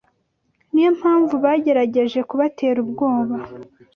Ni yo mpamvu bagerageje kubatera ubwoba